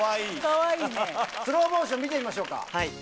スローモーション見てみましょうか。